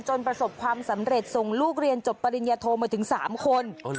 ประสบความสำเร็จส่งลูกเรียนจบปริญญาโทมาถึง๓คน